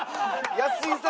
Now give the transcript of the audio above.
安井さん